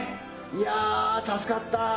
いやたすかった。